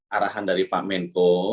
arahan dari pak menko